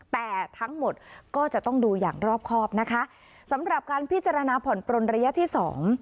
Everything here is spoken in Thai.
แต่ทั้งหมดก็จะต้องดูอย่างรอบครอบนะคะสำหรับการพิจารณาผ่อนปลนระยะที่สอง